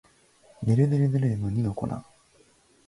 ねるねるねるねの二の粉